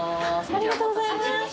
ありがとうございます。